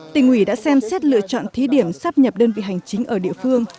tỉnh ủy đã xem xét lựa chọn thí điểm sắp nhập đơn vị hành chính ở địa phương